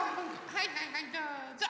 はいはいはいどうぞ！